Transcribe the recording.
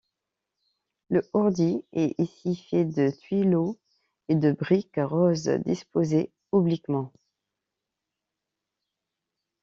Le hourdis est ici fait de tuileaux et de briques roses disposées obliquement.